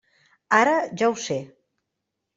Ara ja ho sé.